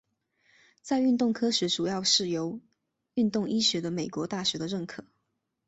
在运动科学主要是由运动医学的美国大学的认可。